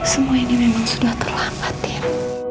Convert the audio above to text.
semua ini memang sudah terlambat ya